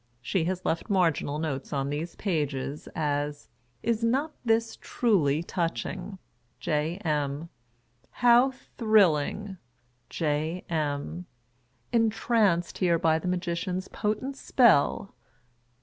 She has left marginal notes on the pages, as " Is not this truly touching ? J. M." " How thrilling ! J. M."" " Entranced here by the Magician's potent spell.